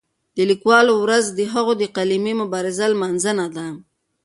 د لیکوالو ورځ د هغوی د قلمي مبارزې لمانځنه ده.